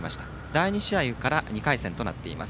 第２試合から２回戦となっています。